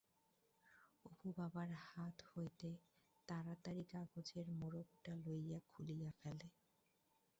অপু বাবার হাত হইতে তাড়াতাড়ি কাগজের মোড়কটা লইয়া খুলিয়া ফেলে।